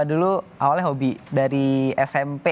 dulu awalnya hobi dari smp